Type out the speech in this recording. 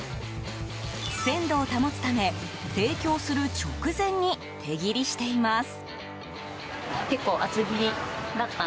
鮮度を保つため、提供する直前に手切りしています。